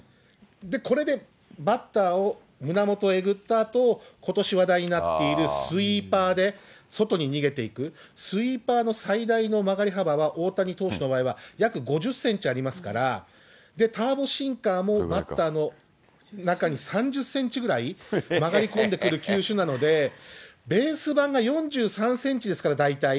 これでバッターを胸元えぐったあと、ことし話題になっているスイーパーで外に逃げていく、スイーパーの最大の曲がり幅は、大谷投手の場合は約５０センチありますから、ターボシンカーもバッターの中に３０センチぐらい、曲がり込んでくる球種なので、ベース盤が４３センチですから、大体。